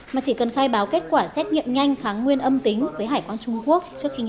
mà chỉ cần khai báo kết quả xét nghiệm nhanh kháng nguyên âm tính với hải quán trung quốc